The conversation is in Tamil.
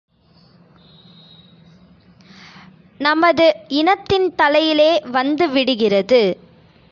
நமது இனத்தின் தலையிலே வந்து விடிகிறது!